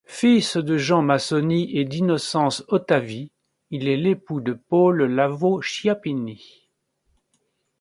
Fils de Jean Massoni et d'Innocence Ottavi, il est l'époux de Paule Lavaud-Chiappini.